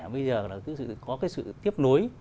bây giờ là có cái sự tiếp nối